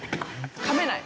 噛めない。